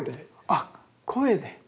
あっ声で。